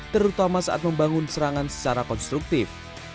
terutama saat membangun serangan secara konstruktif